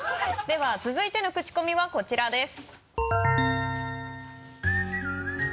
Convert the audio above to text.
では続いてのクチコミはこちらです。